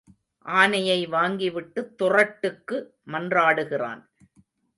ஆனையை வாங்கிவிட்டுத் துறட்டுக்கு மன்றாடுகிறான்.